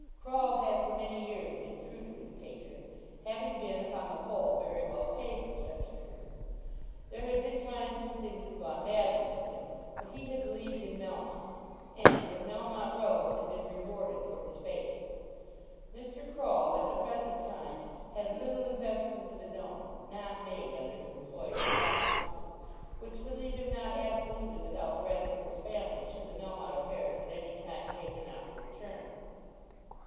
Croll had for many years been true to his patron, having been, upon the whole, very well paid for such truth. There had been times when things had gone badly with him, but he had believed in Melmotte, and, when Melmotte rose, had been rewarded for his faith. Mr. Croll at the present time had little investments of his own, not made under his employer's auspices, which would leave him not absolutely without bread for his family should the Melmotte affairs at any time take an awkward turn.